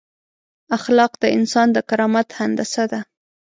اخلاق د انسان د کرامت هندسه ده.